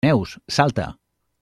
Neus, salta!